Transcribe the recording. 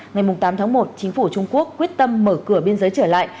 ngày tám tháng một chính phủ trung quốc quyết tâm mở cửa biên giới trở lại